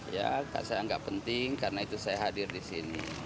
ya saya anggap penting karena itu saya hadir di sini